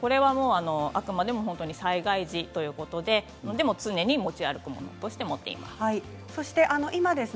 あくまでも災害時ということで常に持ち歩くものとして持っています。